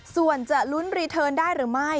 ส่วนจะลุ้นรีเทิร์นได้หรือไม่